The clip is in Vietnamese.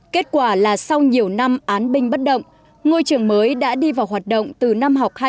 kết quả là sau nhiều năm án binh bất động ngôi trường mới đã đi vào hoạt động từ năm học hai nghìn một mươi hai